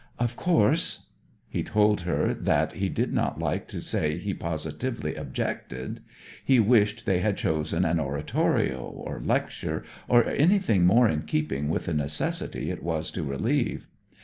Of course ' He told her that he did not like to say he positively objected. He wished they had chosen an oratorio, or lecture, or anything more in keeping with the necessity it was to relieve.